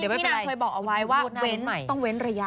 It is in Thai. พี่นางเคยบอกเอาไว้ว่าต้องเว้นระยะ